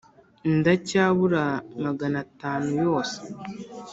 Ndacyabura Magana atanu yose